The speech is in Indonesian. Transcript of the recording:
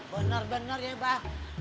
bener bener ya pak